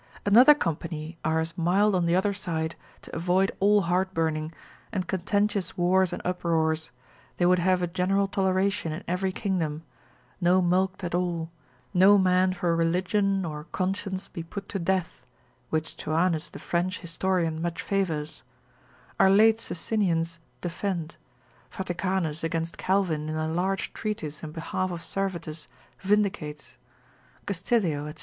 Another company are as mild on the other side; to avoid all heart burning, and contentious wars and uproars, they would have a general toleration in every kingdom, no mulct at all, no man for religion or conscience be put to death, which Thuanus the French historian much favours; our late Socinians defend; Vaticanus against Calvin in a large Treatise in behalf of Servetus, vindicates; Castilio, &c.